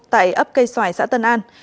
tại ấp cây xoài xã tân an